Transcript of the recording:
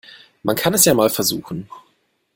Man kann es ja mal versuchen.